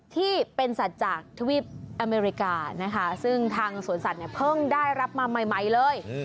ที่เป็นสัตว์จากทวีปอเมริกานะคะซึ่งทางสวนสัตว์เนี่ยเพิ่งได้รับมาใหม่เลย